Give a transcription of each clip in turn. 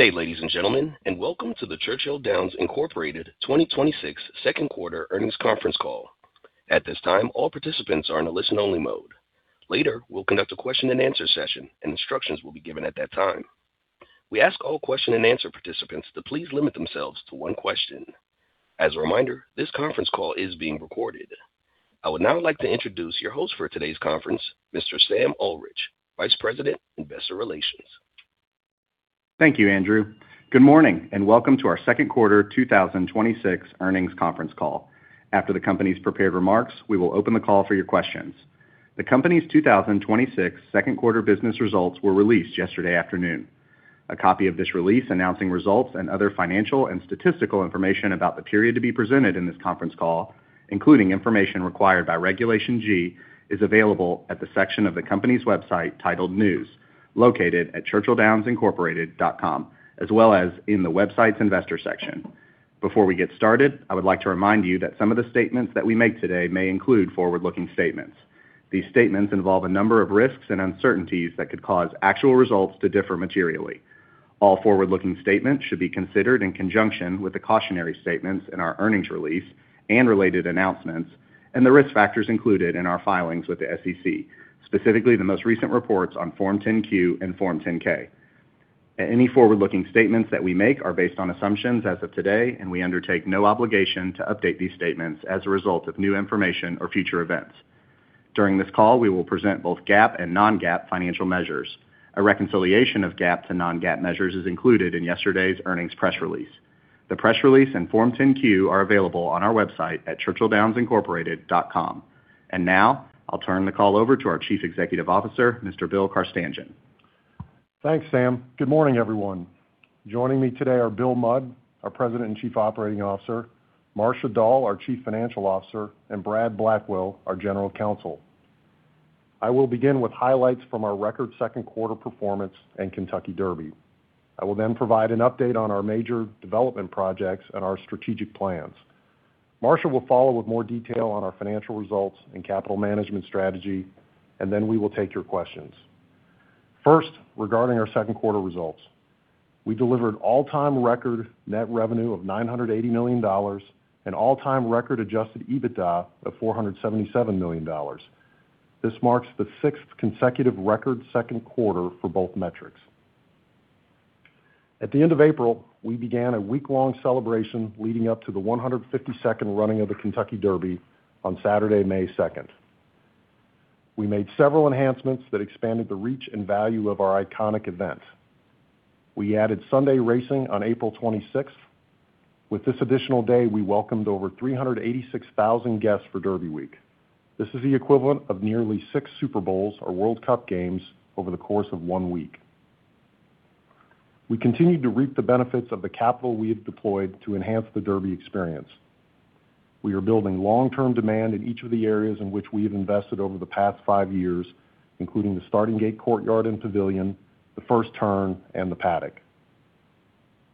Good day, ladies and gentlemen, and welcome to the Churchill Downs Incorporated 2026 Second Quarter Earnings Conference Call. At this time, all participants are in a listen only mode. Later, we'll conduct a question and answer session, and instructions will be given at that time. We ask all question and answer participants to please limit themselves to one question. As a reminder, this conference call is being recorded. I would now like to introduce your host for today's conference, Mr. Sam Ullrich, Vice President, Investor Relations. Thank you, Andrew. Good morning, and welcome to our second quarter 2026 earnings conference call. After the company's prepared remarks, we will open the call for your questions. The company's 2026 second quarter business results were released yesterday afternoon. A copy of this release announcing results and other financial and statistical information about the period to be presented in this conference call, including information required by Regulation G, is available at the section of the company's website titled News, located at churchilldownsincorporated.com, as well as in the website's investor section. Before we get started, I would like to remind you that some of the statements that we make today may include forward-looking statements. These statements involve a number of risks and uncertainties that could cause actual results to differ materially. All forward-looking statements should be considered in conjunction with the cautionary statements in our earnings release and related announcements and the risk factors included in our filings with the SEC, specifically the most recent reports on Form 10-Q and Form 10-K. Any forward-looking statements that we make are based on assumptions as of today, and we undertake no obligation to update these statements as a result of new information or future events. During this call, we will present both GAAP and non-GAAP financial measures. A reconciliation of GAAP to non-GAAP measures is included in yesterday's earnings press release. The press release and Form 10-Q are available on our website at churchilldownsincorporated.com. Now I'll turn the call over to our Chief Executive Officer, Mr. Bill Carstanjen. Thanks, Sam. Good morning, everyone. Joining me today are Bill Mudd, our President and Chief Operating Officer, Marcia Dall, our Chief Financial Officer, and Brad Blackwell, our General Counsel. I will begin with highlights from our record second quarter performance and Kentucky Derby. I will then provide an update on our major development projects and our strategic plans. Marcia will follow with more detail on our financial results and capital management strategy, and then we will take your questions. First, regarding our second quarter results. We delivered all-time record net revenue of $980 million and all-time record Adjusted EBITDA of $477 million. This marks the sixth consecutive record second quarter for both metrics. At the end of April, we began a week-long celebration leading up to the 152nd running of the Kentucky Derby on Saturday, May 2nd. We made several enhancements that expanded the reach and value of our iconic event. We added Sunday racing on April 26th. With this additional day, we welcomed over 386,000 guests for Derby week. This is the equivalent of nearly six Super Bowls or World Cup games over the course of one week. We continued to reap the benefits of the capital we have deployed to enhance the Derby experience. We are building long-term demand in each of the areas in which we have invested over the past five years, including the Starting Gate Courtyard and Pavilion, the First Turn, and the Paddock.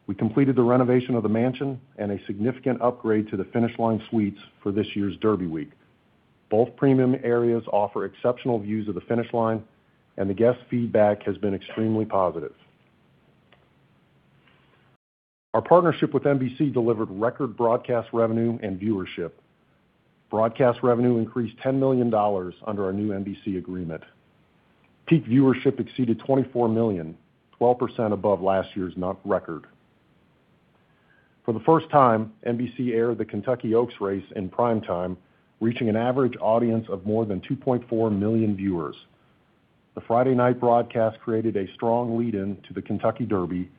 We completed the renovation of The Mansion and a significant upgrade to the Finish Line Suites for this year's Derby week. Both premium areas offer exceptional views of the finish line, and the guest feedback has been extremely positive. Our partnership with NBC delivered record broadcast revenue and viewership. Broadcast revenue increased $10 million under our new NBC agreement. Peak viewership exceeded 24 million, 12% above last year's record. For the first time, NBC aired the Kentucky Oaks race in primetime, reaching an average audience of more than 2.4 million viewers. The Friday night broadcast created a strong lead-in to the Kentucky Derby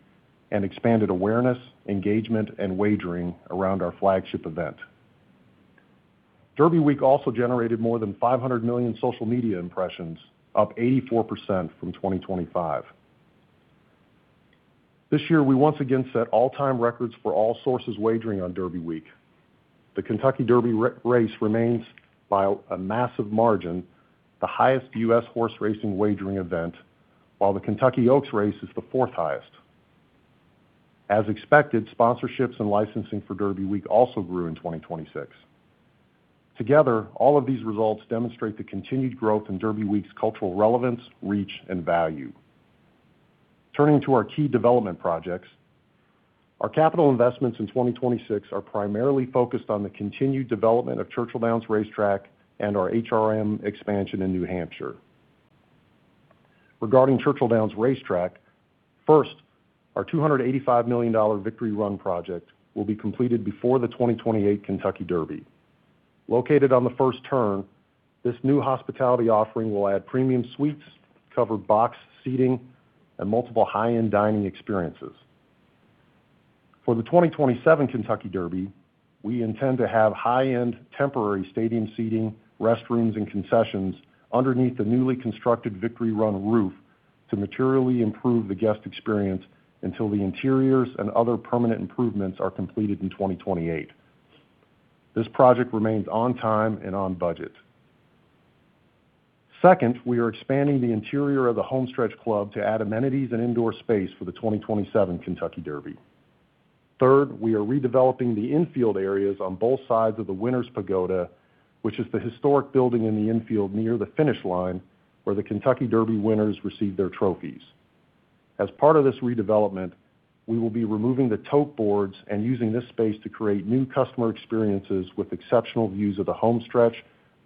and expanded awareness, engagement, and wagering around our flagship event. Derby week also generated more than 500 million social media impressions, up 84% from 2025. This year, we once again set all-time records for all sources wagering on Derby week. The Kentucky Derby race remains, by a massive margin, the highest U.S. horse racing wagering event, while the Kentucky Oaks race is the fourth highest. As expected, sponsorships and licensing for Derby week also grew in 2026. All of these results demonstrate the continued growth in Derby week's cultural relevance, reach, and value. Turning to our key development projects. Our capital investments in 2026 are primarily focused on the continued development of Churchill Downs Racetrack and our HRM expansion in New Hampshire. Regarding Churchill Downs Racetrack, first, our $285 million Victory Run project will be completed before the 2028 Kentucky Derby. Located on the First Turn, this new hospitality offering will add premium suites, covered box seating, and multiple high-end dining experiences. For the 2027 Kentucky Derby, we intend to have high-end temporary stadium seating, restrooms, and concessions underneath the newly constructed Victory Run roof to materially improve the guest experience until the interiors and other permanent improvements are completed in 2028. This project remains on time and on budget. Second, we are expanding the interior of the Homestretch Club to add amenities and indoor space for the 2027 Kentucky Derby. Third, we are redeveloping the infield areas on both sides of the Winner's Pagoda, which is the historic building in the infield near the finish line where the Kentucky Derby winners receive their trophies. As part of this redevelopment, we will be removing the tote boards and using this space to create new customer experiences with exceptional views of the home stretch,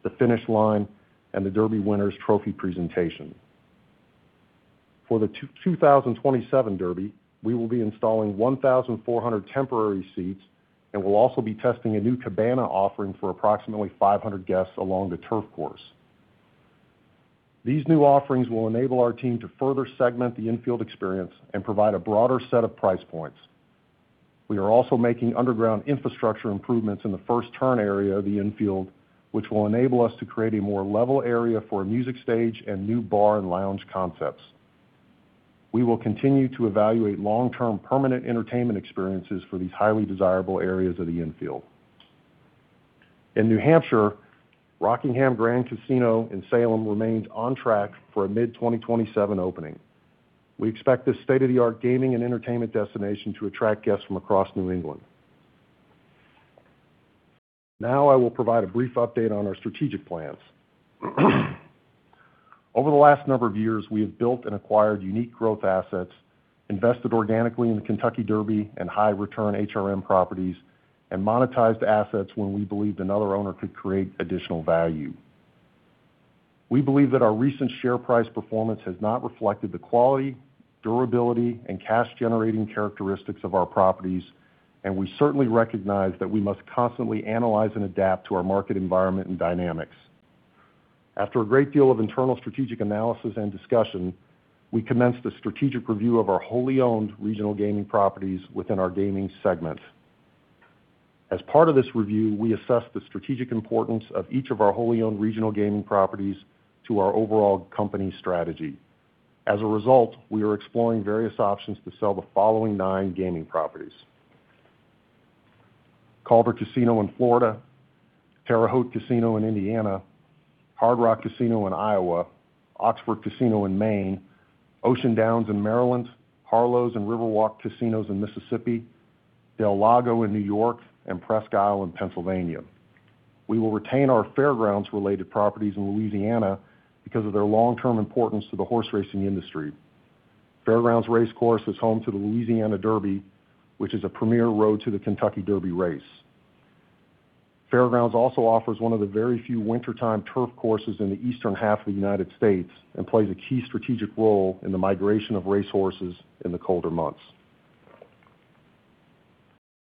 the finish line, and the Derby winner's trophy presentation. For the 2027 Derby, we will be installing 1,400 temporary seats, and we'll also be testing a new cabana offering for approximately 500 guests along the turf course. These new offerings will enable our team to further segment the infield experience and provide a broader set of price points. We are also making underground infrastructure improvements in the first turn area of the infield, which will enable us to create a more level area for a music stage and new bar and lounge concepts. We will continue to evaluate long-term permanent entertainment experiences for these highly desirable areas of the infield. In New Hampshire, Rockingham Grand Casino in Salem remains on track for a mid-2027 opening. We expect this state-of-the-art gaming and entertainment destination to attract guests from across New England. I will provide a brief update on our strategic plans. Over the last number of years, we have built and acquired unique growth assets, invested organically in the Kentucky Derby and high-return HRM properties, and monetized assets when we believed another owner could create additional value. We believe that our recent share price performance has not reflected the quality, durability, and cash-generating characteristics of our properties. We certainly recognize that we must constantly analyze and adapt to our market environment and dynamics. After a great deal of internal strategic analysis and discussion, we commenced a strategic review of our wholly owned regional gaming properties within our gaming segment. As part of this review, we assessed the strategic importance of each of our wholly owned regional gaming properties to our overall company strategy. As a result, we are exploring various options to sell the following nine gaming properties: Calder Casino in Florida, Terre Haute Casino in Indiana, Hard Rock Casino in Iowa, Oxford Casino in Maine, Ocean Downs in Maryland, Harrah's and Riverwalk Casinos in Mississippi, del Lago in New York, and Presque Isle in Pennsylvania. We will retain our Fair Grounds-related properties in Louisiana because of their long-term importance to the horse racing industry. Fair Grounds Race Course is home to the Louisiana Derby, which is a premier road to the Kentucky Derby race. Fair Grounds also offers one of the very few wintertime turf courses in the eastern half of the U.S. and plays a key strategic role in the migration of racehorses in the colder months.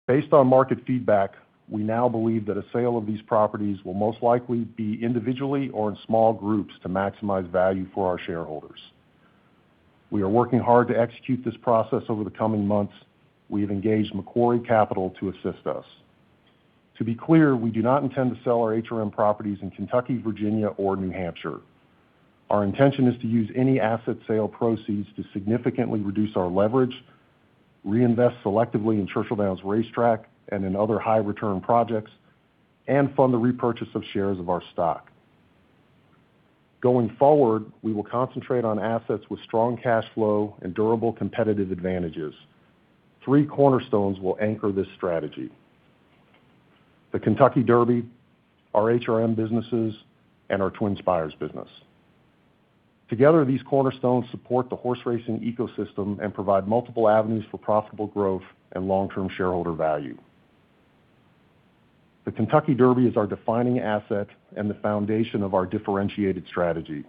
Based on market feedback, we now believe that a sale of these properties will most likely be individually or in small groups to maximize value for our shareholders. We are working hard to execute this process over the coming months. We have engaged Macquarie Capital to assist us. To be clear, we do not intend to sell our HRM properties in Kentucky, Virginia, or New Hampshire. Our intention is to use any asset sale proceeds to significantly reduce our leverage, reinvest selectively in Churchill Downs Racetrack and in other high-return projects, and fund the repurchase of shares of our stock. Going forward, we will concentrate on assets with strong cash flow and durable competitive advantages. Three cornerstones will anchor this strategy: the Kentucky Derby, our HRM businesses, and our TwinSpires business. Together, these cornerstones support the horse racing ecosystem and provide multiple avenues for profitable growth and long-term shareholder value. The Kentucky Derby is our defining asset and the foundation of our differentiated strategy.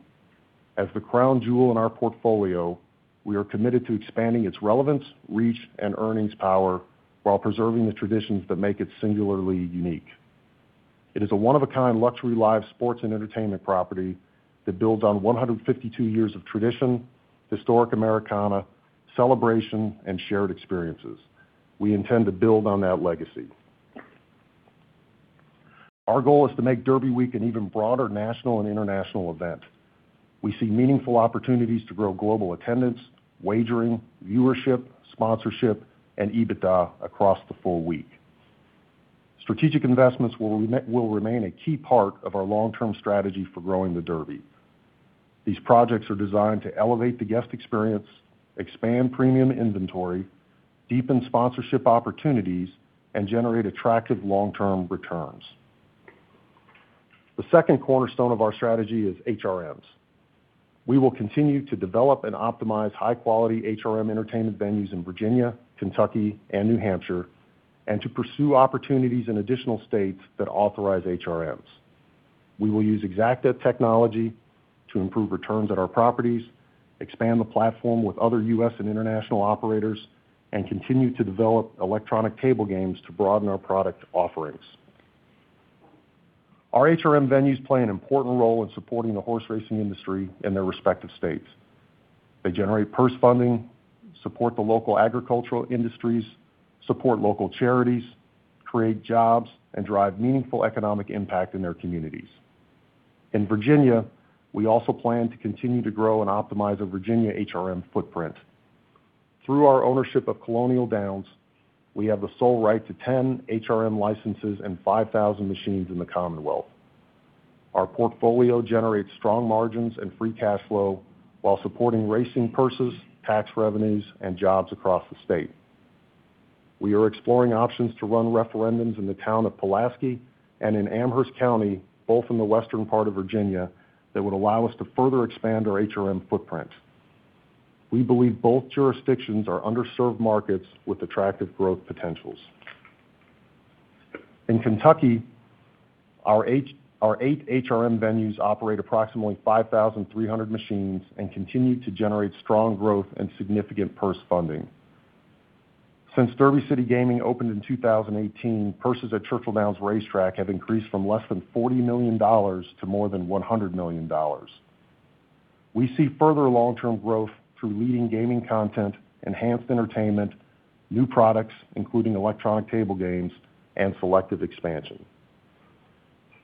As the crown jewel in our portfolio, we are committed to expanding its relevance, reach, and earnings power while preserving the traditions that make it singularly unique. It is a one-of-a-kind luxury live sports and entertainment property that builds on 152 years of tradition, historic Americana, celebration, and shared experiences. We intend to build on that legacy. Our goal is to make Derby Week an even broader national and international event. We see meaningful opportunities to grow global attendance, wagering, viewership, sponsorship, and EBITDA across the full week. Strategic investments will remain a key part of our long-term strategy for growing the Derby. These projects are designed to elevate the guest experience, expand premium inventory, deepen sponsorship opportunities, and generate attractive long-term returns. The second cornerstone of our strategy is HRMs. We will continue to develop and optimize high-quality HRM entertainment venues in Virginia, Kentucky, and New Hampshire, and to pursue opportunities in additional states that authorize HRMs. We will use Exacta technology to improve returns at our properties, expand the platform with other U.S. and international operators, and continue to develop Electronic Table Games to broaden our product offerings. Our HRM venues play an important role in supporting the horse racing industry in their respective states. They generate purse funding, support the local agricultural industries, support local charities, create jobs, and drive meaningful economic impact in their communities. In Virginia, we also plan to continue to grow and optimize our Virginia HRM footprint. Through our ownership of Colonial Downs, we have the sole right to 10 HRM licenses and 5,000 machines in the Commonwealth. Our portfolio generates strong margins and free cash flow while supporting racing purses, tax revenues, and jobs across the state. We are exploring options to run referendums in the town of Pulaski and in Amherst County, both in the western part of Virginia, that would allow us to further expand our HRM footprint. We believe both jurisdictions are underserved markets with attractive growth potentials. In Kentucky, our eight HRM venues operate approximately 5,300 machines and continue to generate strong growth and significant purse funding. Since Derby City Gaming opened in 2018, purses at Churchill Downs Racetrack have increased from less than $40 million to more than $100 million. We see further long-term growth through leading gaming content, enhanced entertainment, new products, including Electronic Table Games, and selective expansion.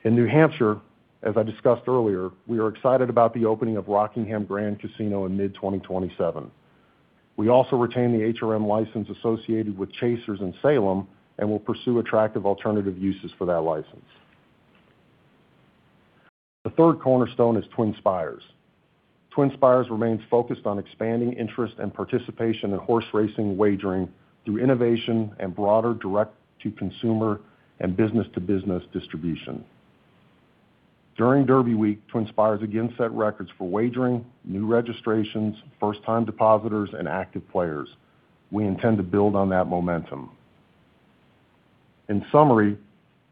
In New Hampshire, as I discussed earlier, we are excited about the opening of Rockingham Grand Casino in mid-2027. We also retain the HRM license associated with Chasers in Salem and will pursue attractive alternative uses for that license. The third cornerstone is TwinSpires. TwinSpires remains focused on expanding interest and participation in horse racing wagering through innovation and broader direct-to-consumer and business-to-business distribution. During Derby Week, TwinSpires again set records for wagering, new registrations, first-time depositors, and active players. We intend to build on that momentum. In summary,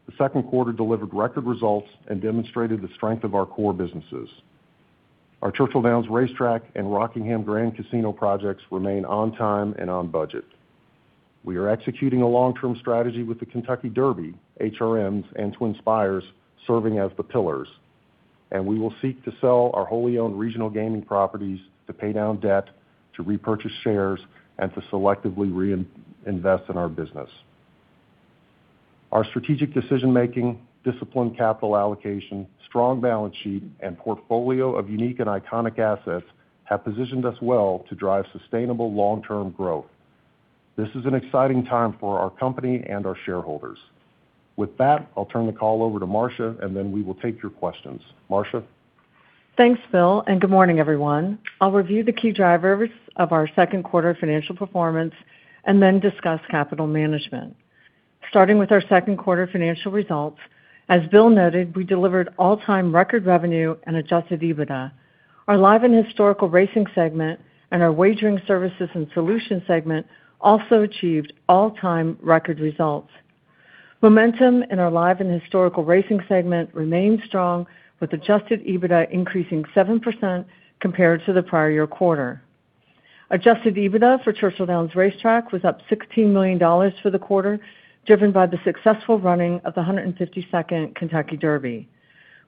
the second quarter delivered record results and demonstrated the strength of our core businesses. Our Churchill Downs Racetrack and Rockingham Grand Casino projects remain on time and on budget. We are executing a long-term strategy with the Kentucky Derby, HRMs, and TwinSpires serving as the pillars, and we will seek to sell our wholly-owned regional gaming properties to pay down debt, to repurchase shares, and to selectively reinvest in our business. Our strategic decision-making, disciplined capital allocation, strong balance sheet, and portfolio of unique and iconic assets have positioned us well to drive sustainable long-term growth. This is an exciting time for our company and our shareholders. With that, I'll turn the call over to Marcia, and then we will take your questions. Marcia? Thanks, Bill, and good morning, everyone. I will review the key drivers of our second quarter financial performance and then discuss capital management. Starting with our second quarter financial results, as Bill noted, we delivered all-time record revenue and Adjusted EBITDA. Our Live and Historical Racing segment and our Wagering Services and Solutions segment also achieved all-time record results. Momentum in our Live and Historical Racing segment remains strong with Adjusted EBITDA increasing 7% compared to the prior year quarter. Adjusted EBITDA for Churchill Downs Racetrack was up $16 million for the quarter, driven by the successful running of the 152nd Kentucky Derby.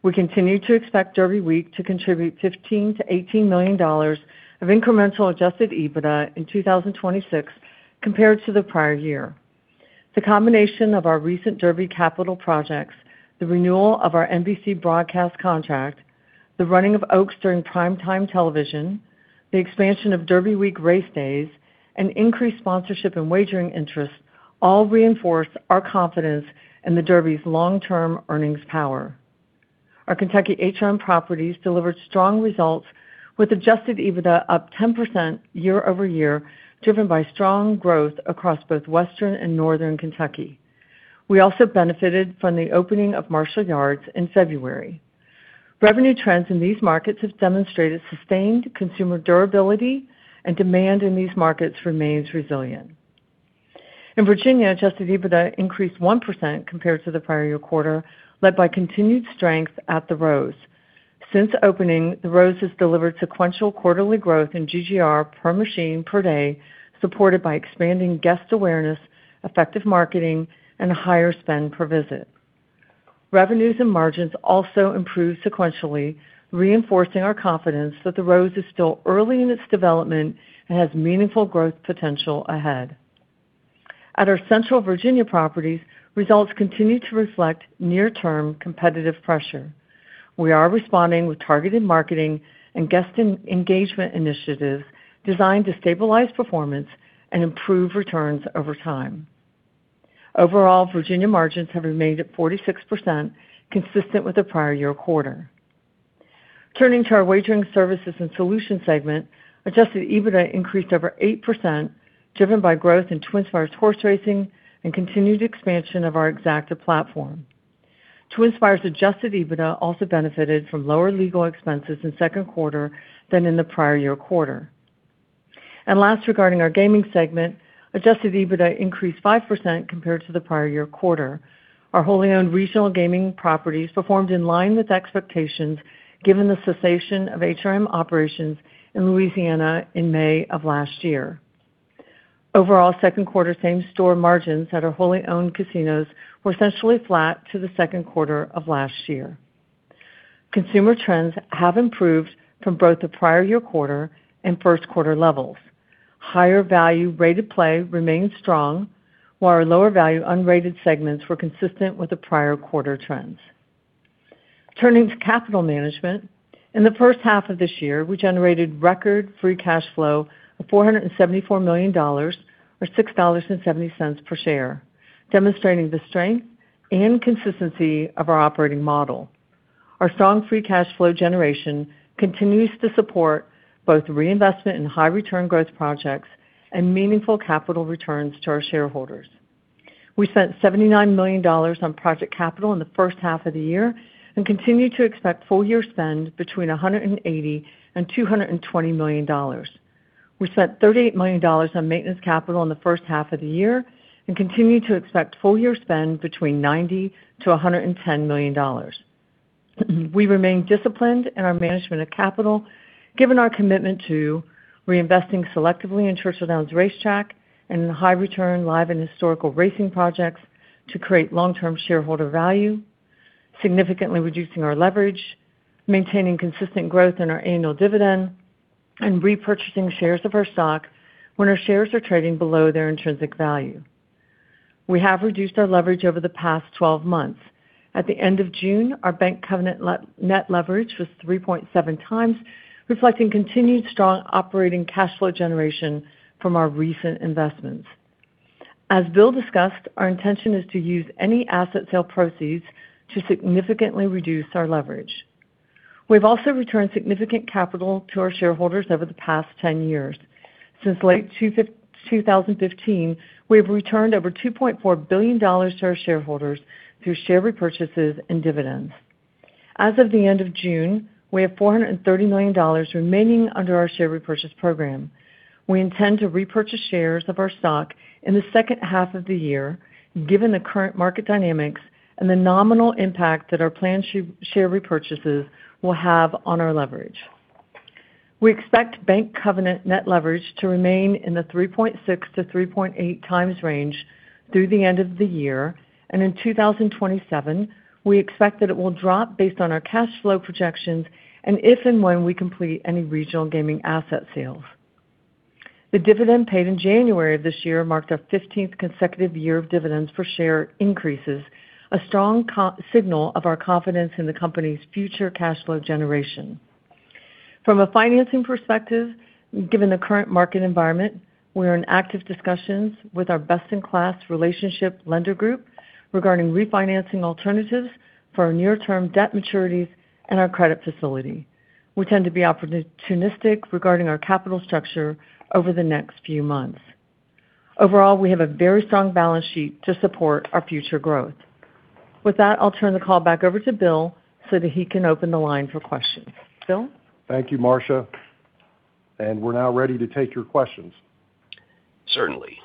We continue to expect Derby week to contribute $15 million-$18 million of incremental Adjusted EBITDA in 2026 compared to the prior year. The combination of our recent Derby capital projects, the renewal of our NBC broadcast contract, the running of Oaks during prime time television, the expansion of Derby week race days, and increased sponsorship and wagering interest all reinforce our confidence in the Derby's long-term earnings power. Our Kentucky HRM properties delivered strong results with Adjusted EBITDA up 10% year-over-year, driven by strong growth across both Western and Northern Kentucky. We also benefited from the opening of Marshall's Yard in February. Revenue trends in these markets have demonstrated sustained consumer durability and demand in these markets remains resilient. In Virginia, Adjusted EBITDA increased 1% compared to the prior year quarter, led by continued strength at The Rose. Since opening, The Rose has delivered sequential quarterly growth in GGR per machine per day, supported by expanding guest awareness, effective marketing, and a higher spend per visit. Revenues and margins also improved sequentially, reinforcing our confidence that The Rose is still early in its development and has meaningful growth potential ahead. At our Central Virginia properties, results continue to reflect near-term competitive pressure. We are responding with targeted marketing and guest engagement initiatives designed to stabilize performance and improve returns over time. Overall, Virginia margins have remained at 46%, consistent with the prior year quarter. Turning to our Wagering Services and Solutions segment, Adjusted EBITDA increased over 8%, driven by growth in TwinSpires horse racing and continued expansion of our Exacta platform. TwinSpires Adjusted EBITDA also benefited from lower legal expenses in second quarter than in the prior year quarter. Last, regarding our Gaming segment, Adjusted EBITDA increased 5% compared to the prior year quarter. Our wholly owned regional gaming properties performed in line with expectations given the cessation of HRM operations in Louisiana in May of last year. Overall, second quarter same-store margins at our wholly owned casinos were essentially flat to the second quarter of last year. Consumer trends have improved from both the prior year quarter and first quarter levels. Higher value rated play remains strong, while our lower value unrated segments were consistent with the prior quarter trends. Turning to capital management. In the first half of this year, we generated record free cash flow of $474 million, or $6.70 per share, demonstrating the strength and consistency of our operating model. Our strong free cash flow generation continues to support both reinvestment in high-return growth projects and meaningful capital returns to our shareholders. We spent $79 million on project capital in the first half of the year and continue to expect full-year spend between $180 million and $220 million. We spent $38 million on maintenance capital in the first half of the year and continue to expect full-year spend between $90 million-$110 million. We remain disciplined in our management of capital, given our commitment to reinvesting selectively in Churchill Downs Racetrack and in high-return live and historical racing projects to create long-term shareholder value, significantly reducing our leverage, maintaining consistent growth in our annual dividend, and repurchasing shares of our stock when our shares are trading below their intrinsic value. We have reduced our leverage over the past 12 months. At the end of June, our bank covenant net leverage was 3.7x, reflecting continued strong operating cash flow generation from our recent investments. As Bill discussed, our intention is to use any asset sale proceeds to significantly reduce our leverage. We've also returned significant capital to our shareholders over the past 10 years. Since late 2015, we have returned over $2.4 billion to our shareholders through share repurchases and dividends. As of the end of June, we have $430 million remaining under our share repurchase program. We intend to repurchase shares of our stock in the second half of the year, given the current market dynamics and the nominal impact that our planned share repurchases will have on our leverage. We expect bank covenant net leverage to remain in the 3.6x-3.8x range through the end of the year. In 2027, we expect that it will drop based on our cash flow projections and if and when we complete any regional gaming asset sales. The dividend paid in January of this year marked our 15th consecutive year of dividends for share increases, a strong signal of our confidence in the company's future cash flow generation. From a financing perspective, given the current market environment, we are in active discussions with our best-in-class relationship lender group regarding refinancing alternatives for our near-term debt maturities and our credit facility. We tend to be opportunistic regarding our capital structure over the next few months. Overall, we have a very strong balance sheet to support our future growth. With that, I'll turn the call back over to Bill so that he can open the line for questions. Bill? Thank you, Marcia. We're now ready to take your questions. Certainly.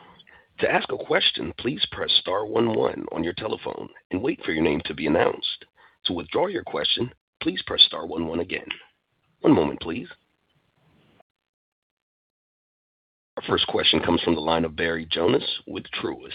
To ask a question, please press star one one on your telephone and wait for your name to be announced. To withdraw your question, please press star one one again. One moment, please. Our first question comes from the line of Barry Jonas with Truist.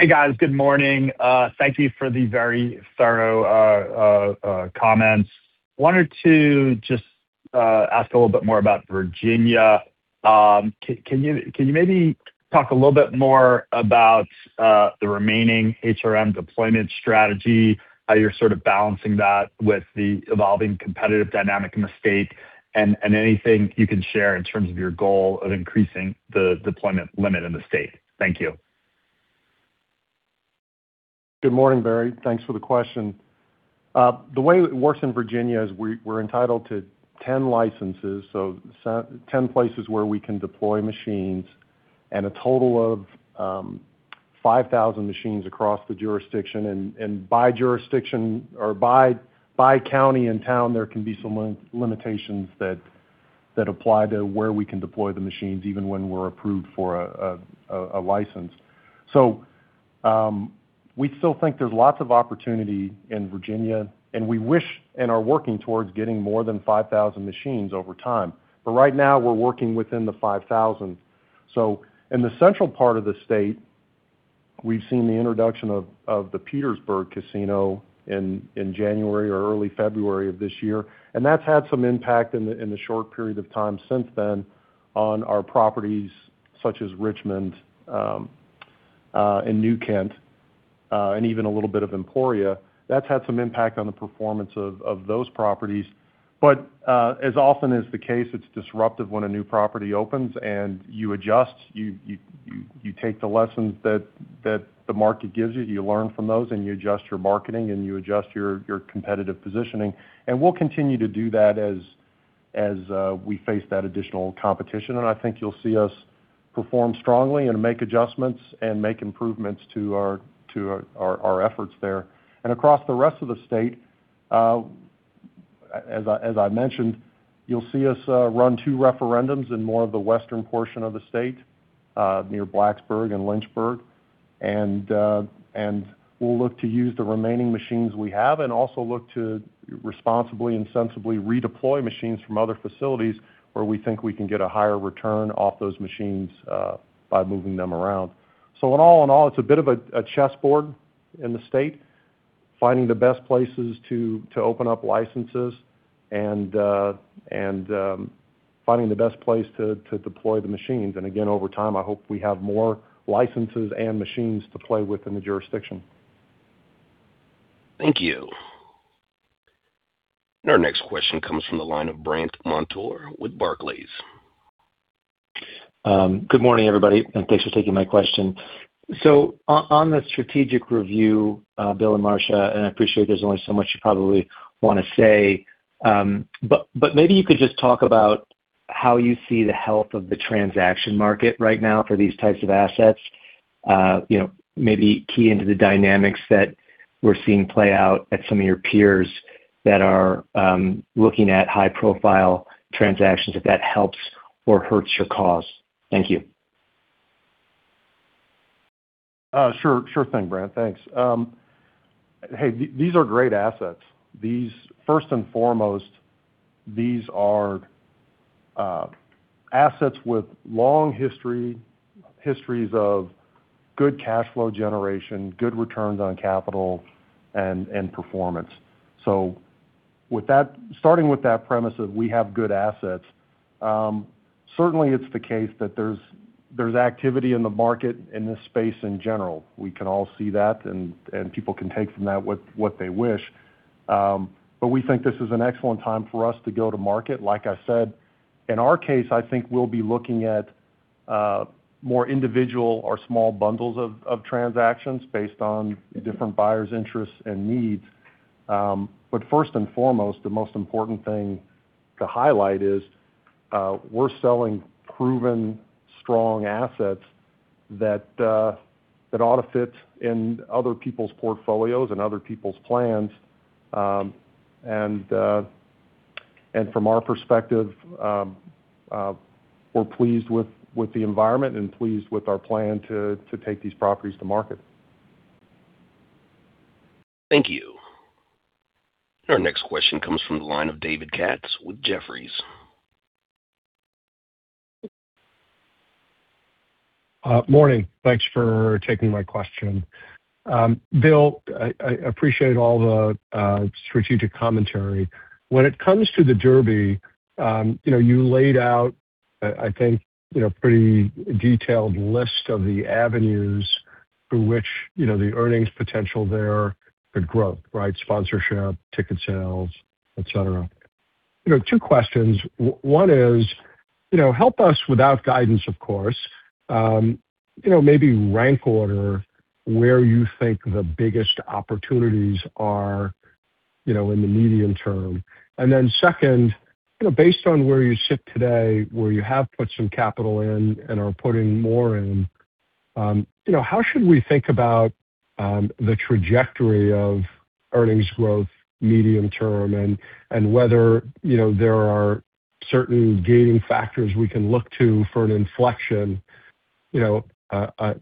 Hey, guys. Good morning. Thank you for the very thorough comments. I wanted to just ask a little bit more about Virginia. Can you maybe talk a little bit more about the remaining HRM deployment strategy, how you're sort of balancing that with the evolving competitive dynamic in the state, and anything you can share in terms of your goal of increasing the deployment limit in the state? Thank you. Good morning, Barry. Thanks for the question. The way it works in Virginia is we're entitled to 10 licenses, 10 places where we can deploy machines and a total of 5,000 machines across the jurisdiction. By jurisdiction or by county and town, there can be some limitations that apply to where we can deploy the machines even when we're approved for a license. We still think there's lots of opportunity in Virginia, and we wish and are working towards getting more than 5,000 machines over time. Right now, we're working within the 5,000. In the central part of the state, we've seen the introduction of the Petersburg casino in January or early February of this year, and that's had some impact in the short period of time since then on our properties such as Richmond and New Kent, and even a little bit of Emporia. That's had some impact on the performance of those properties. As often is the case, it's disruptive when a new property opens and you adjust, you take the lessons that the market gives you learn from those, and you adjust your marketing and you adjust your competitive positioning. We'll continue to do that as we face that additional competition, and I think you'll see us perform strongly and make adjustments and make improvements to our efforts there. Across the rest of the state, as I mentioned, you'll see us run two referendums in more of the western portion of the state, near Blacksburg and Lynchburg. We'll look to use the remaining machines we have and also look to responsibly and sensibly redeploy machines from other facilities where we think we can get a higher return off those machines by moving them around. All in all, it's a bit of a chessboard in the state, finding the best places to open up licenses finding the best place to deploy the machines. Again, over time, I hope we have more licenses and machines to play with in the jurisdiction. Thank you. Our next question comes from the line of Brandt Montour with Barclays. Good morning, everybody, and thanks for taking my question. On the strategic review, Bill and Marcia, I appreciate there's only so much you probably want to say, but maybe you could just talk about how you see the health of the transaction market right now for these types of assets. Maybe key into the dynamics that we're seeing play out at some of your peers that are looking at high-profile transactions, if that helps or hurts your cause. Thank you. Sure thing, Brandt. Thanks. Hey, these are great assets. First and foremost, these are assets with long histories of good cash flow generation, good returns on capital, and performance. Starting with that premise of we have good assets, certainly it's the case that there's activity in the market in this space in general. We can all see that, people can take from that what they wish. We think this is an excellent time for us to go to market. Like I said, in our case, I think we'll be looking at more individual or small bundles of transactions based on different buyers' interests and needs. First and foremost, the most important thing to highlight is we're selling proven, strong assets that ought to fit in other people's portfolios and other people's plans. From our perspective, we're pleased with the environment and pleased with our plan to take these properties to market. Thank you. Our next question comes from the line of David Katz with Jefferies. Morning. Thanks for taking my question. Bill, I appreciate all the strategic commentary. When it comes to the Derby, you laid out, I think, pretty detailed list of the avenues through which the earnings potential there could grow, right? Sponsorship, ticket sales, et cetera. Two questions. One is, help us, without guidance, of course, maybe rank order where you think the biggest opportunities are in the medium-term. Then second, based on where you sit today, where you have put some capital in and are putting more in, how should we think about the trajectory of earnings growth medium-term and whether there are certain gating factors we can look to for an inflection,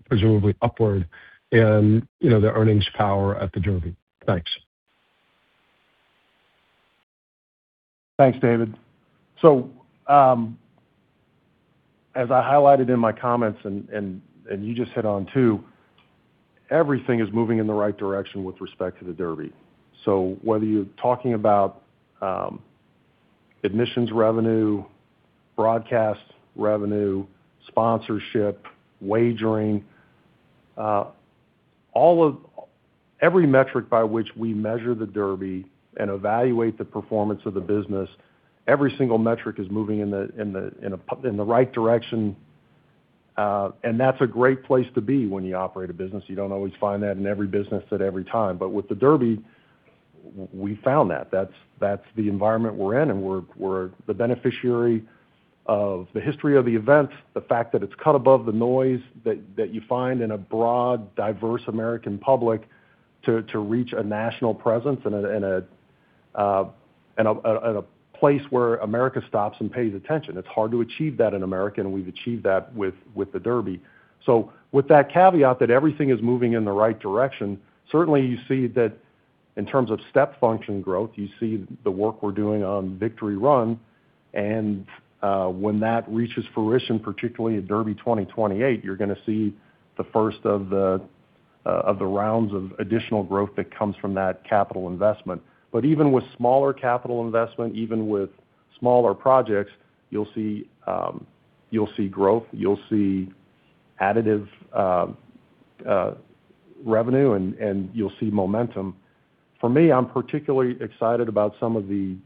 presumably upward, in the earnings power at the Derby. Thanks. Thanks, David. As I highlighted in my comments, and you just hit on too, everything is moving in the right direction with respect to the Derby. Whether you're talking about admissions revenue, broadcast revenue, sponsorship, wagering, every metric by which we measure the Derby and evaluate the performance of the business, every single metric is moving in the right direction, and that's a great place to be when you operate a business. You don't always find that in every business at every time. With the Derby, we found that. That's the environment we're in, and we're the beneficiary of the history of the event, the fact that it's cut above the noise that you find in a broad, diverse American public to reach a national presence and a place where America stops and pays attention. It's hard to achieve that in America, and we've achieved that with the Derby. With that caveat that everything is moving in the right direction, certainly you see that in terms of step function growth, you see the work we're doing on Victory Run. When that reaches fruition, particularly at Derby 2028, you're going to see the first of the rounds of additional growth that comes from that capital investment. Even with smaller capital investment, even with smaller projects, you'll see growth, you'll see additive revenue, and you'll see momentum. For me, I'm particularly excited about some of the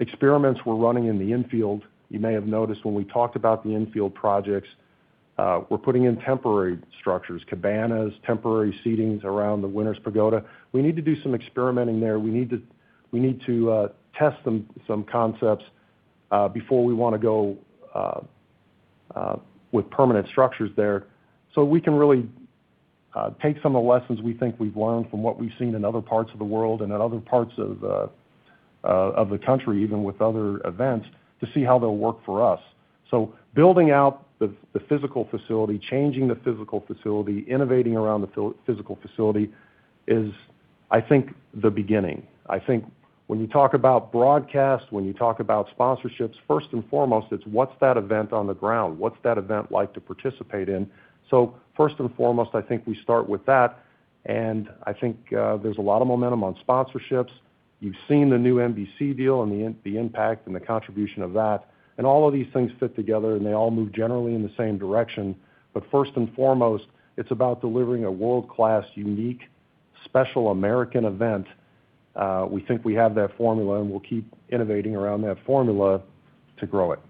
experiments we're running in the infield. You may have noticed when we talked about the infield projects, we're putting in temporary structures, cabanas, temporary seatings around the Winner's Pagoda. We need to do some experimenting there. We need to test some concepts before we want to go with permanent structures there. We can really take some of the lessons we think we've learned from what we've seen in other parts of the world and in other parts of the country, even with other events, to see how they'll work for us. Building out the physical facility, changing the physical facility, innovating around the physical facility is, I think, the beginning. I think when you talk about broadcast, when you talk about sponsorships, first and foremost, it's what's that event on the ground? What's that event like to participate in? First and foremost, I think we start with that. I think there's a lot of momentum on sponsorships. You've seen the new NBC deal and the impact and the contribution of that, all of these things fit together, and they all move generally in the same direction. First and foremost, it's about delivering a world-class, unique, special American event. We think we have that formula, we'll keep innovating around that formula to grow it.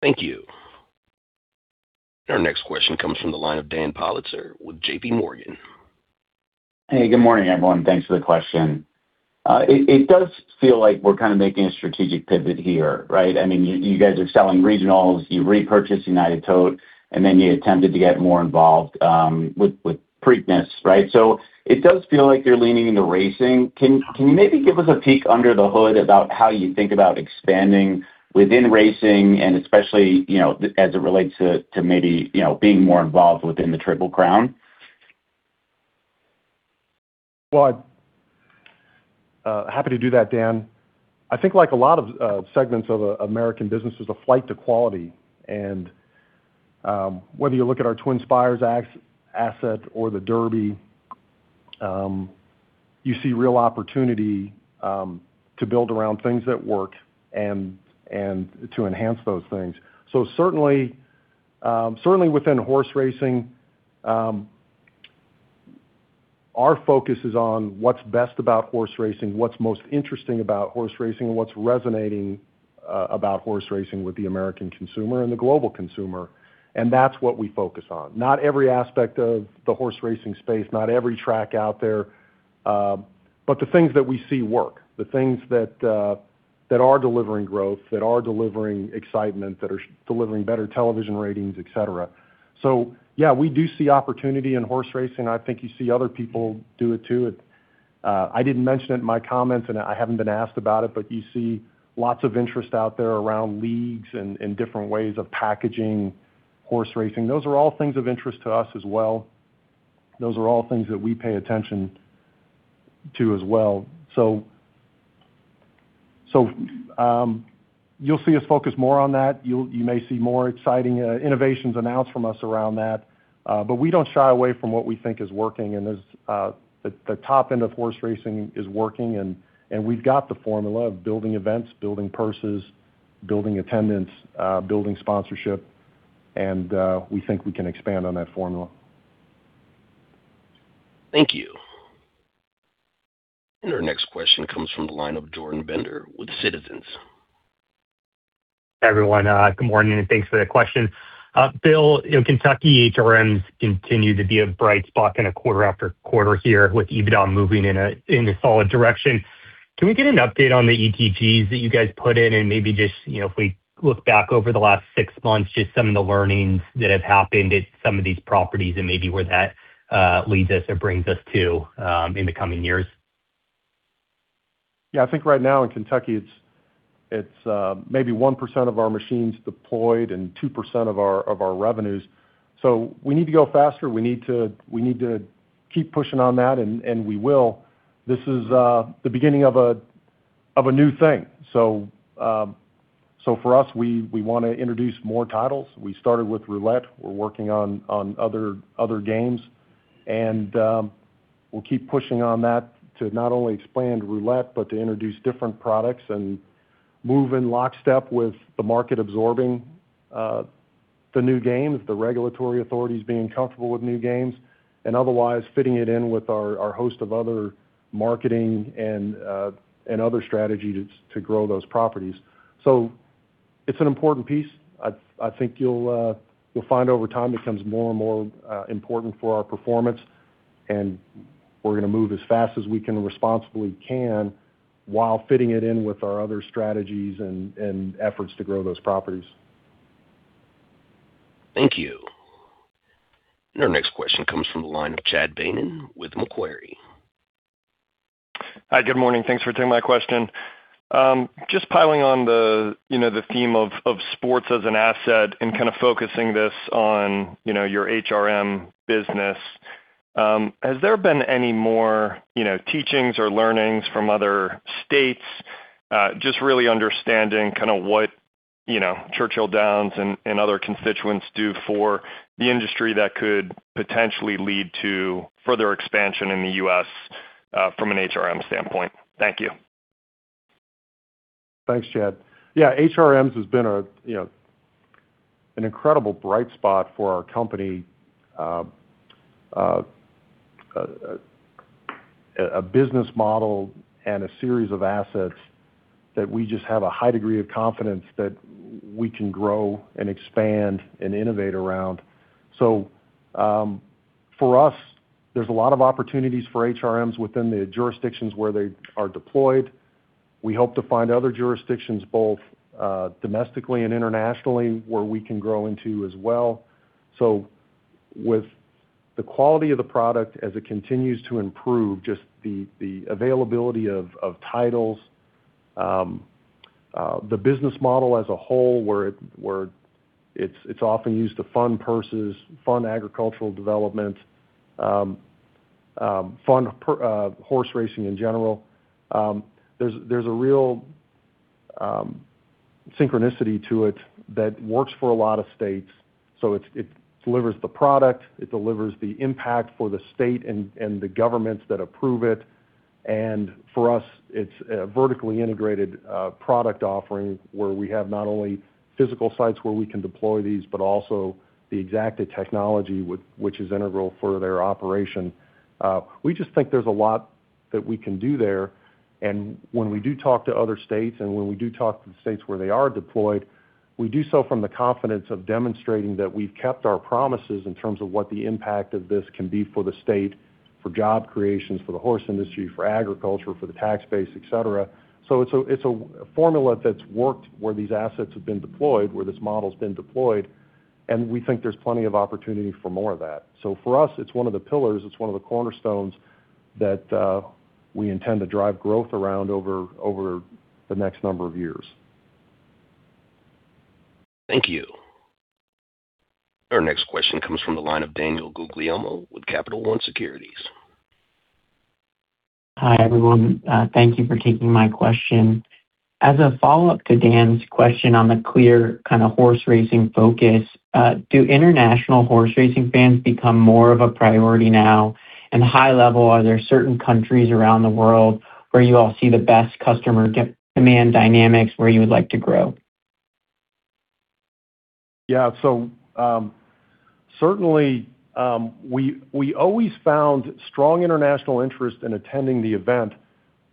Thank you. Our next question comes from the line of Dan Politzer with JPMorgan. Hey, good morning, everyone. Thanks for the question. It does feel like we're kind of making a strategic pivot here, right? You guys are selling regionals, you repurchased United Tote, and then you attempted to get more involved with Preakness, right? It does feel like you're leaning into racing. Can you maybe give us a peek under the hood about how you think about expanding within racing, and especially, as it relates to maybe being more involved within the Triple Crown? Well, happy to do that, Dan. I think like a lot of segments of American business, there's a flight to quality. Whether you look at our TwinSpires asset or the Derby, you see real opportunity to build around things that work and to enhance those things. Certainly within horse racing, our focus is on what's best about horse racing, what's most interesting about horse racing, and what's resonating about horse racing with the American consumer and the global consumer. That's what we focus on. Not every aspect of the horse racing space, not every track out there, but the things that we see work, the things that are delivering growth, that are delivering excitement, that are delivering better television ratings, et cetera. Yeah, we do see opportunity in horse racing. I think you see other people do it too. I didn't mention it in my comments, and I haven't been asked about it, but you see lots of interest out there around leagues and different ways of packaging horse racing. Those are all things of interest to us as well. Those are all things that we pay attention to as well. You'll see us focus more on that. You may see more exciting innovations announced from us around that. We don't shy away from what we think is working and is the top end of horse racing is working, and we've got the formula of building events, building purses, building attendance, building sponsorship, and we think we can expand on that formula. Thank you. Our next question comes from the line of Jordan Bender with Citizens. Hi, everyone. Good morning, and thanks for the question. Bill, Kentucky HRMs continue to be a bright spot in a quarter after quarter here with EBITDA moving in a solid direction. Can we get an update on the ETGs that you guys put in and maybe just, if we look back over the last six months, just some of the learnings that have happened at some of these properties and maybe where that leads us or brings us to in the coming years? Yeah. I think right now in Kentucky, it's maybe 1% of our machines deployed and 2% of our revenues. We need to go faster. We need to keep pushing on that, and we will. This is the beginning of a new thing. For us, we want to introduce more titles. We started with roulette. We're working on other games, and we'll keep pushing on that to not only expand roulette, but to introduce different products and move in lockstep with the market absorbing the new games, the regulatory authorities being comfortable with new games, and otherwise fitting it in with our host of other marketing and other strategies to grow those properties. It's an important piece. I think you'll find over time it becomes more and more important for our performance, and we're going to move as fast as we can and responsibly can while fitting it in with our other strategies and efforts to grow those properties. Thank you. Our next question comes from the line of Chad Beynon with Macquarie. Hi, good morning. Thanks for taking my question. Just piling on the theme of sports as an asset and kind of focusing this on your HRM business. Has there been any more teachings or learnings from other states? Just really understanding kind of what Churchill Downs and other constituents do for the industry that could potentially lead to further expansion in the U.S. from an HRM standpoint. Thank you. Thanks, Chad. Yeah, HRMs has been an incredible bright spot for our company. A business model and a series of assets that we just have a high degree of confidence that we can grow and expand and innovate around. For us, there's a lot of opportunities for HRMs within the jurisdictions where they are deployed. We hope to find other jurisdictions, both domestically and internationally, where we can grow into as well. With the quality of the product as it continues to improve, just the availability of titles, the business model as a whole, where it's often used to fund purses, fund agricultural development, fund horse racing in general. There's a real synchronicity to it that works for a lot of states. It delivers the product, it delivers the impact for the state and the governments that approve it. For us, it's a vertically integrated product offering where we have not only physical sites where we can deploy these, but also the Exacta technology which is integral for their operation. We just think there's a lot that we can do there. When we do talk to other states, and when we do talk to the states where they are deployed, we do so from the confidence of demonstrating that we've kept our promises in terms of what the impact of this can be for the state, for job creations, for the horse industry, for agriculture, for the tax base, et cetera. It's a formula that's worked where these assets have been deployed, where this model's been deployed, and we think there's plenty of opportunity for more of that. For us, it's one of the pillars, it's one of the cornerstones that we intend to drive growth around over the next number of years. Thank you. Our next question comes from the line of Daniel Guglielmo with Capital One Securities. Hi, everyone. Thank you for taking my question. As a follow-up to Dan's question on the clear kind of horse racing focus, do international horse racing fans become more of a priority now? High level, are there certain countries around the world where you all see the best customer demand dynamics where you would like to grow? Yeah. Certainly, we always found strong international interest in attending the event,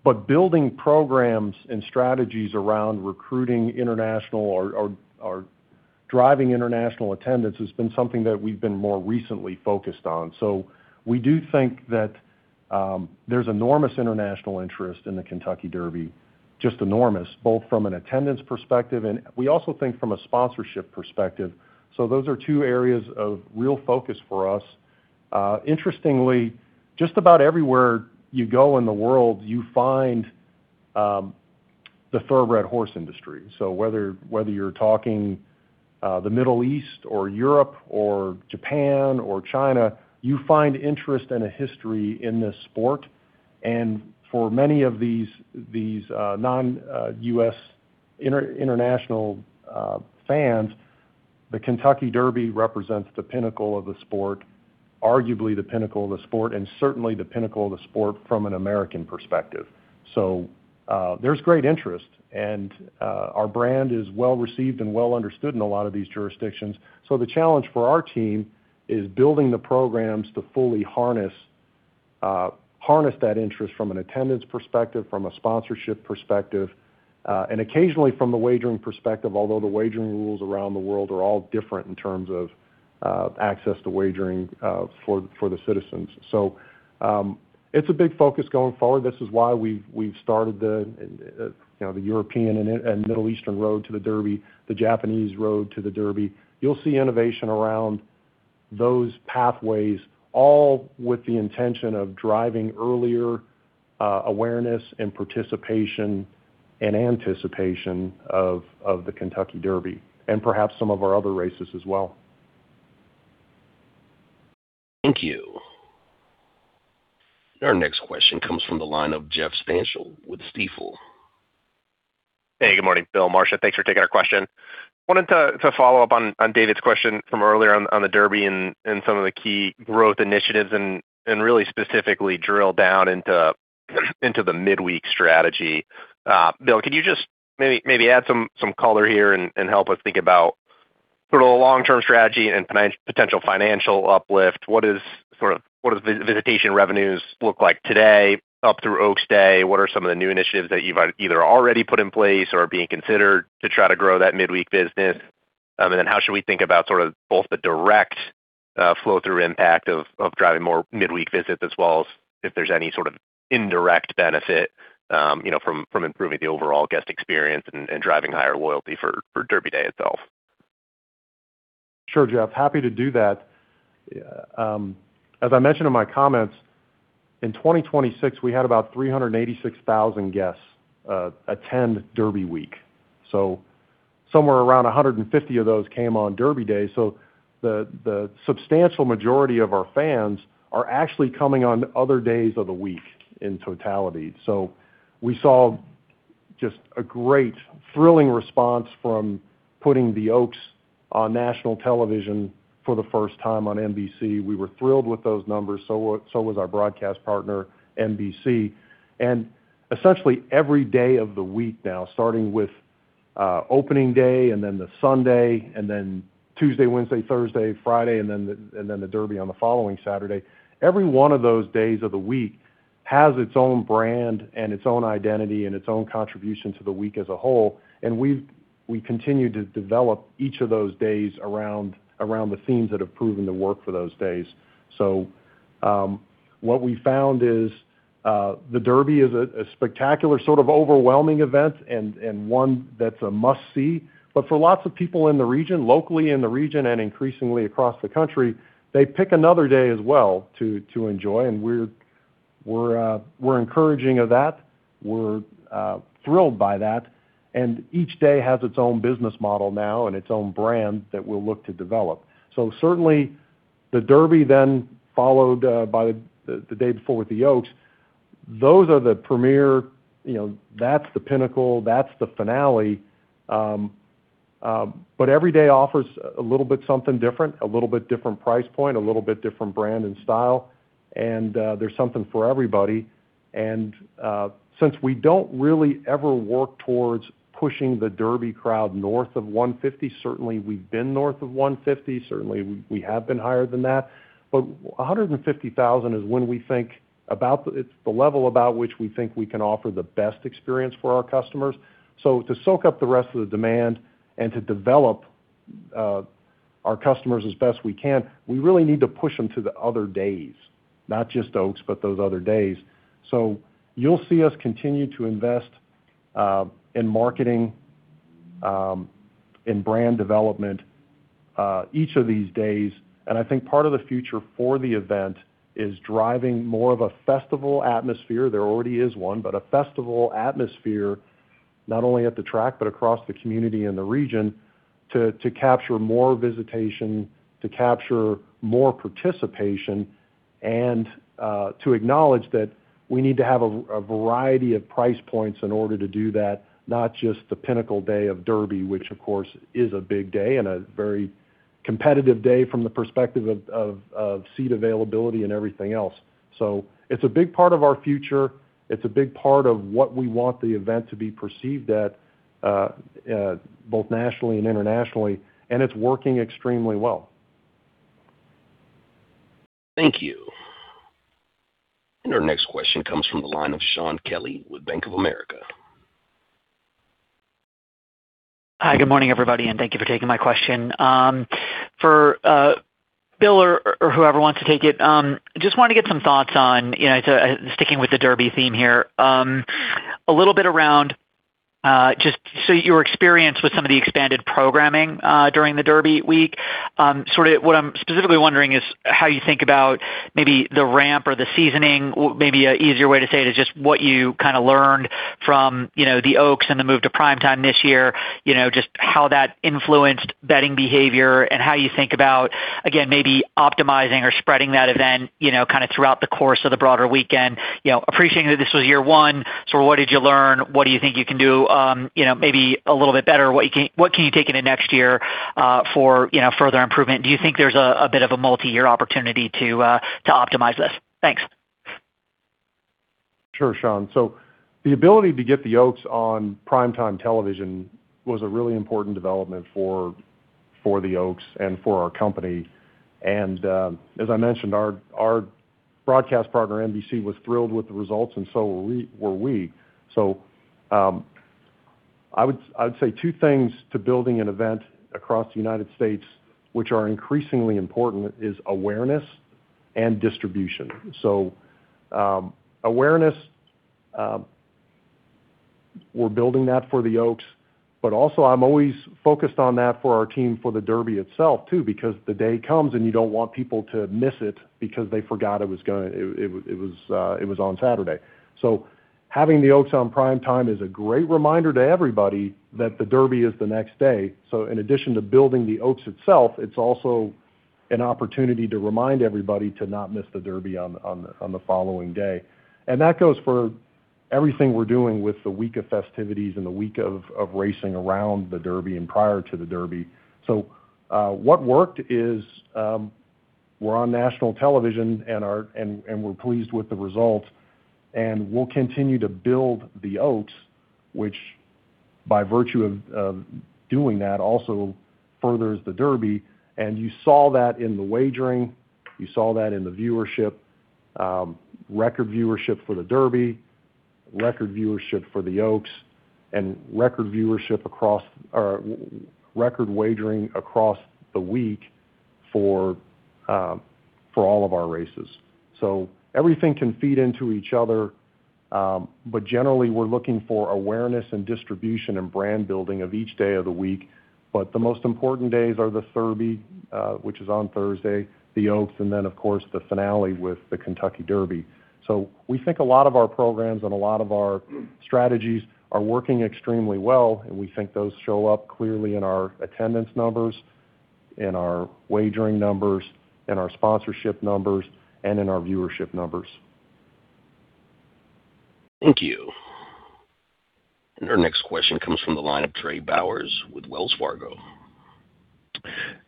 but building programs and strategies around recruiting international or driving international attendance has been something that we've been more recently focused on. We do think that there's enormous international interest in the Kentucky Derby, just enormous, both from an attendance perspective, and we also think from a sponsorship perspective. Those are two areas of real focus for us. Interestingly, just about everywhere you go in the world, you find the thoroughbred horse industry. Whether you're talking the Middle East or Europe or Japan or China, you find interest and a history in this sport. For many of these non-U.S. international fans, the Kentucky Derby represents the pinnacle of the sport, arguably the pinnacle of the sport, and certainly the pinnacle of the sport from an American perspective. There's great interest, and our brand is well-received and well-understood in a lot of these jurisdictions. The challenge for our team is building the programs to fully harness that interest from an attendance perspective, from a sponsorship perspective, and occasionally from a wagering perspective, although the wagering rules around the world are all different in terms of access to wagering for the citizens. It's a big focus going forward. This is why we've started the European / Middle East Road to the Derby, the Japan Road to the Derby. You'll see innovation around those pathways, all with the intention of driving earlier awareness and participation and anticipation of the Kentucky Derby, and perhaps some of our other races as well. Thank you. Our next question comes from the line of Jeff Stantial with Stifel. Hey, good morning, Bill, Marcia. Thanks for taking our question. Really specifically drill down into the midweek strategy. Bill, could you just maybe add some color here and help us think about sort of the long-term strategy and potential financial uplift? What does visitation revenues look like today up through Oaks Day? What are some of the new initiatives that you've either already put in place or are being considered to try to grow that midweek business? Then how should we think about sort of both the direct flow-through impact of driving more midweek visits as well as if there's any sort of indirect benefit from improving the overall guest experience and driving higher loyalty for Derby day itself? Sure, Jeff, happy to do that. As I mentioned in my comments, in 2026, we had about 386,000 guests attend Derby week. Somewhere around 150,000 of those came on Derby day. The substantial majority of our fans are actually coming on other days of the week in totality. We saw just a great thrilling response from putting the Oaks on national television for the first time on NBC. We were thrilled with those numbers, was our broadcast partner, NBC. Essentially every day of the week now, starting with opening day then the Sunday, then Tuesday, Wednesday, Thursday, Friday, then the Derby on the following Saturday. Every one of those days of the week has its own brand and its own identity and its own contribution to the week as a whole. We continue to develop each of those days around the themes that have proven to work for those days. What we found is, the Derby is a spectacular, sort of overwhelming event and one that's a must-see. For lots of people in the region, locally in the region and increasingly across the country, they pick another day as well to enjoy. We're encouraging of that. We're thrilled by that. Each day has its own business model now and its own brand that we'll look to develop. The Derby followed by the day before with the Oaks. Those are the premier, that's the pinnacle, that's the finale. Every day offers a little bit something different, a little bit different price point, a little bit different brand and style, and there's something for everybody. Since we don't really ever work towards pushing the Kentucky Derby crowd north of 150, certainly we've been north of 150, certainly we have been higher than that. 150,000 is the level about which we think we can offer the best experience for our customers. To soak up the rest of the demand and to develop our customers as best we can, we really need to push them to the other days, not just Kentucky Oaks, but those other days. You'll see us continue to invest in marketing, in brand development each of these days. I think part of the future for the event is driving more of a festival atmosphere. There already is one, a festival atmosphere not only at the track but across the community and the region to capture more visitation, to capture more participation, and to acknowledge that we need to have a variety of price points in order to do that, not just the pinnacle day of Kentucky Derby, which of course is a big day and a very competitive day from the perspective of seat availability and everything else. It's a big part of our future. It's a big part of what we want the event to be perceived at both nationally and internationally, it's working extremely well. Thank you. Our next question comes from the line of Shaun Kelley with Bank of America. Hi, good morning, everybody, thank you for taking my question. For Bill or whoever wants to take it, just want to get some thoughts on, sticking with the Kentucky Derby theme here, a little bit around just so your experience with some of the expanded programming during the Kentucky Derby week. Sort of what I'm specifically wondering is how you think about maybe the ramp or the seasoning, maybe an easier way to say it is just what you kind of learned from the Oaks and the move to prime time this year, just how that influenced betting behavior and how you think about, again, maybe optimizing or spreading that event kind of throughout the course of the broader weekend. Appreciating that this was year one, what did you learn? What do you think you can do maybe a little bit better? What can you take into next year for further improvement? Do you think there's a bit of a multi-year opportunity to optimize this? Thanks. Sure, Shaun. The ability to get the Oaks on prime time television was a really important development for the Oaks and for our company. As I mentioned, our broadcast partner, NBC, was thrilled with the results, and so were we. I would say two things to building an event across the United States, which are increasingly important, is awareness and distribution. Awareness, we're building that for the Oaks, but also I'm always focused on that for our team for the Derby itself, too, because the day comes and you don't want people to miss it because they forgot it was on Saturday. Having the Oaks on prime time is a great reminder to everybody that the Derby is the next day. In addition to building the Oaks itself, it's also an opportunity to remind everybody to not miss the Derby on the following day. That goes for everything we're doing with the week of festivities and the week of racing around the Derby and prior to the Derby. What worked is we're on national television and we're pleased with the results, and we'll continue to build the Oaks, which by virtue of doing that also furthers the Derby, and you saw that in the wagering, you saw that in the viewership, record viewership for the Derby, record viewership for the Oaks, and record wagering across the week for all of our races. Everything can feed into each other, but generally we're looking for awareness and distribution and brand building of each day of the week. The most important days are the Thurby, which is on Thursday, the Oaks, and then of course, the finale with the Kentucky Derby. We think a lot of our programs and a lot of our strategies are working extremely well, and we think those show up clearly in our attendance numbers, in our wagering numbers, in our sponsorship numbers, and in our viewership numbers. Thank you. Our next question comes from the line of Trey Bowers with Wells Fargo.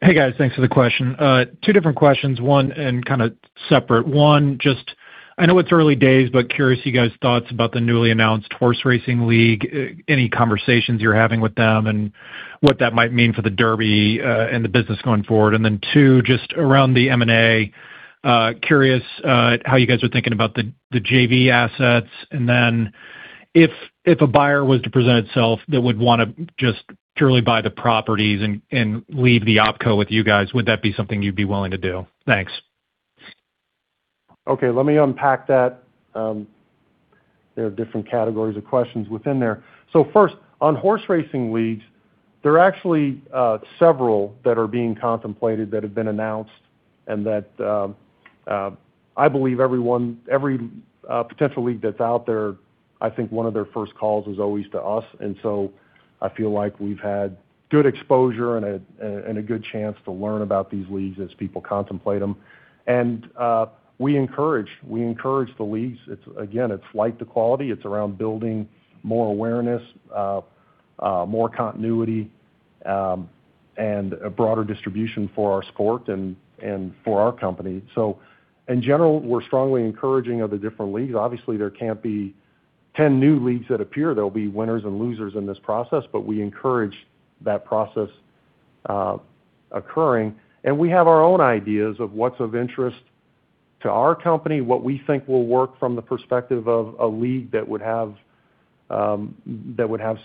Hey, guys. Thanks for the question. Two different questions, one and kind of separate. One, just I know it's early days, but curious you guys' thoughts about the newly announced Horse Racing League, any conversations you're having with them and what that might mean for the Derby and the business going forward. Two, just around the M&A, curious how you guys are thinking about the JV assets. If a buyer was to present itself that would want to just purely buy the properties and leave the opco with you guys, would that be something you'd be willing to do? Thanks. Okay, let me unpack that. There are different categories of questions within there. First, on Horse Racing Leagues, there are actually several that are being contemplated that have been announced and that I believe every potential league that's out there, I think one of their first calls is always to us. I feel like we've had good exposure and a good chance to learn about these leagues as people contemplate them. We encourage the leagues. Again, it's like the quality, it's around building more awareness, more continuity, and a broader distribution for our sport and for our company. In general, we're strongly encouraging of the different leagues. Obviously, there can't be 10 new leagues that appear. There'll be winners and losers in this process, but we encourage that process occurring. We have our own ideas of what's of interest to our company, what we think will work from the perspective of a league that would have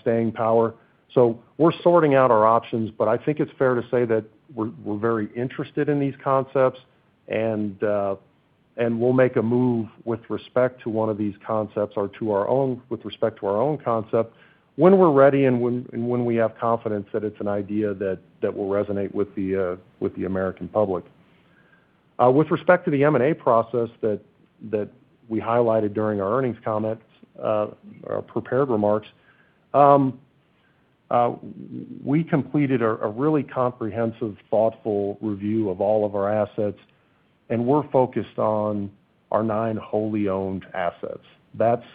staying power. We're sorting out our options, but I think it's fair to say that we're very interested in these concepts, and we'll make a move with respect to one of these concepts or with respect to our own concept when we're ready and when we have confidence that it's an idea that will resonate with the American public. With respect to the M&A process that we highlighted during our earnings comments, our prepared remarks, we completed a really comprehensive, thoughtful review of all of our assets, and we're focused on our nine wholly owned assets. That's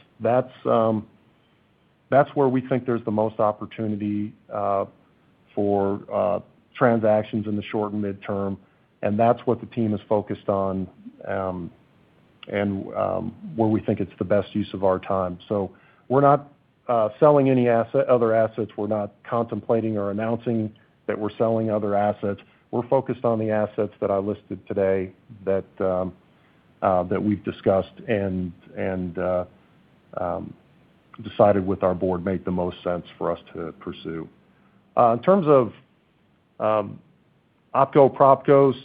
where we think there's the most opportunity for transactions in the short and mid-term, and that's what the team is focused on and where we think it's the best use of our time. We're not selling any other assets. We're not contemplating or announcing that we're selling other assets. We're focused on the assets that I listed today that we've discussed and decided with our board made the most sense for us to pursue. In terms of opco/propcos,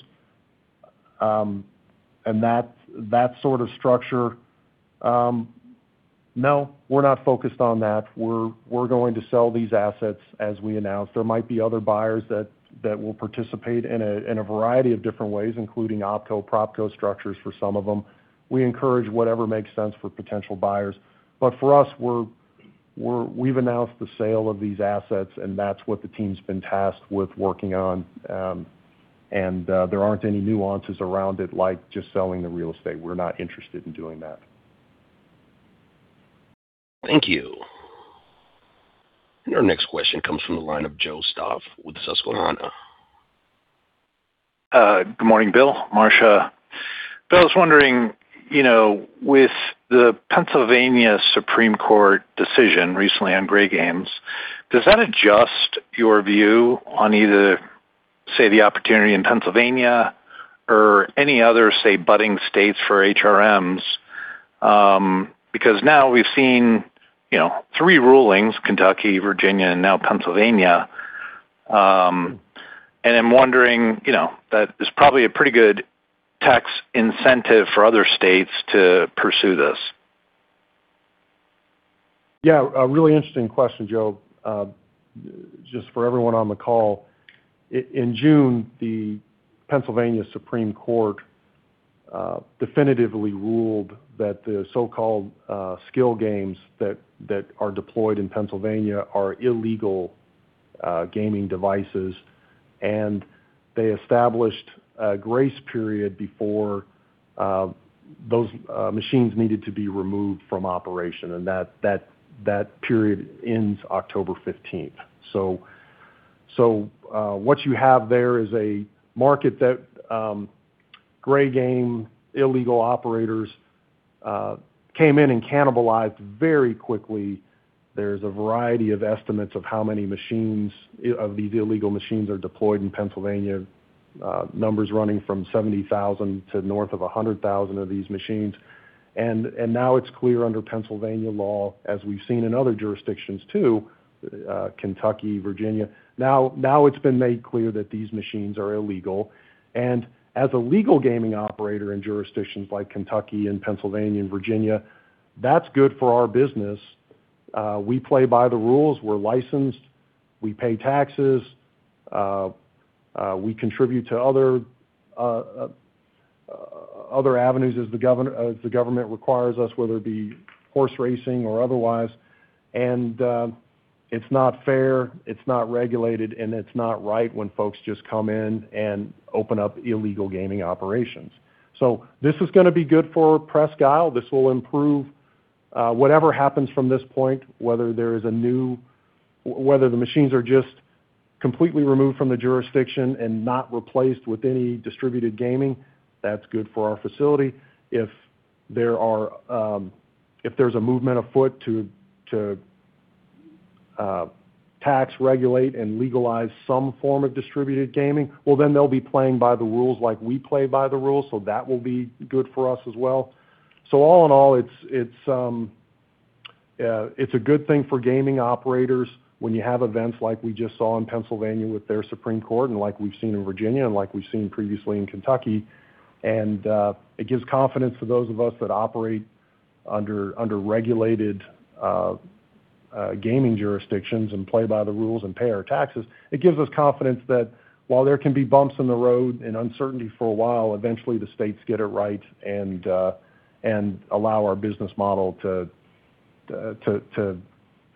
and that sort of structure, no, we're not focused on that. We're going to sell these assets as we announced. There might be other buyers that will participate in a variety of different ways, including opco/propco structures for some of them. We encourage whatever makes sense for potential buyers. For us, we've announced the sale of these assets, and that's what the team's been tasked with working on. There aren't any nuances around it, like just selling the real estate. We're not interested in doing that. Thank you. Our next question comes from the line of Joe Stauff with Susquehanna. Good morning, Bill, Marcia. Bill, I was wondering, with the Supreme Court of Pennsylvania decision recently on gray games, does that adjust your view on either, say, the opportunity in Pennsylvania or any other, say, budding states for HRMs? Now we've seen three rulings, Kentucky, Virginia, and now Pennsylvania, and I'm wondering that there's probably a pretty good tax incentive for other states to pursue this. Yeah, a really interesting question, Joe. Just for everyone on the call, in June, the Supreme Court of Pennsylvania definitively ruled that the so-called skill games that are deployed in Pennsylvania are illegal gaming devices, and they established a grace period before those machines needed to be removed from operation, and that period ends October 15th. What you have there is a market that gray game illegal operators came in and cannibalized very quickly. There's a variety of estimates of how many of the illegal machines are deployed in Pennsylvania. Numbers running from 70,000 to north of 100,000 of these machines. Now it's clear under Pennsylvania law, as we've seen in other jurisdictions, too, Kentucky, Virginia, now it's been made clear that these machines are illegal. As a legal gaming operator in jurisdictions like Kentucky and Pennsylvania and Virginia, that's good for our business. We play by the rules, we're licensed, we pay taxes, we contribute to other avenues as the government requires us, whether it be horse racing or otherwise. It's not fair, it's not regulated, and it's not right when folks just come in and open up illegal gaming operations. This is going to be good for Presque Isle. This will improve whatever happens from this point, whether the machines are just completely removed from the jurisdiction and not replaced with any distributed gaming, that's good for our facility. If there's a movement afoot to tax, regulate, and legalize some form of distributed gaming, then they'll be playing by the rules like we play by the rules, so that will be good for us as well. All in all, it's a good thing for gaming operators when you have events like we just saw in Pennsylvania with their Supreme Court of Pennsylvania and like we've seen in Virginia and like we've seen previously in Kentucky. It gives confidence to those of us that operate under regulated gaming jurisdictions and play by the rules and pay our taxes. It gives us confidence that while there can be bumps in the road and uncertainty for a while, eventually the states get it right and allow our business model to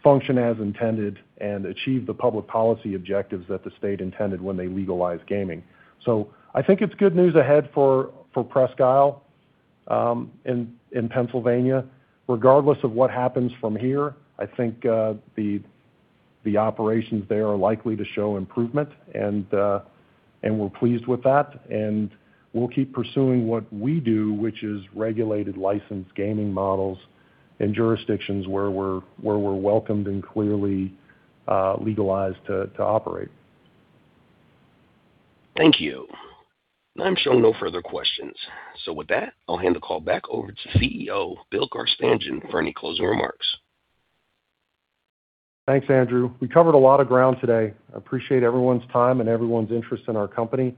function as intended and achieve the public policy objectives that the state intended when they legalized gaming. I think it's good news ahead for Presque Isle in Pennsylvania. Regardless of what happens from here, I think the operations there are likely to show improvement, and we're pleased with that, and we'll keep pursuing what we do, which is regulated licensed gaming models in jurisdictions where we're welcomed and clearly legalized to operate. Thank you. I'm showing no further questions. With that, I'll hand the call back over to CEO, Bill Carstanjen, for any closing remarks. Thanks, Andrew. We covered a lot of ground today. I appreciate everyone's time and everyone's interest in our company.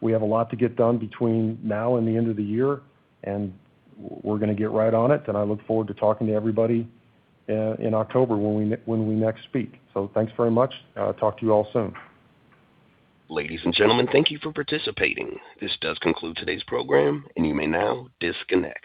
We have a lot to get done between now and the end of the year, and we're going to get right on it, and I look forward to talking to everybody in October when we next speak. Thanks very much. Talk to you all soon. Ladies and gentlemen, thank you for participating. This does conclude today's program, and you may now disconnect.